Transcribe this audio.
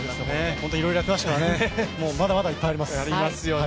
本当にいろいろやってましたからね、まだまだあります。